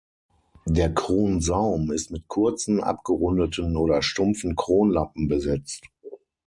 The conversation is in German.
Der Kronsaum ist mit kurzen, abgerundeten oder stumpfen Kronlappen besetzt.